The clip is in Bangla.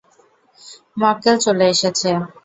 মক্কেল চলে এসেছে!